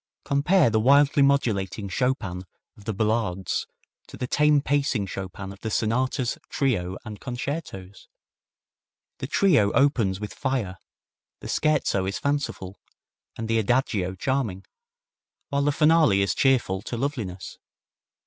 Compare the wildly modulating Chopin of the ballades to the tame pacing Chopin of the sonatas, trio and concertos! The trio opens with fire, the scherzo is fanciful, and the adagio charming, while the finale is cheerful to loveliness.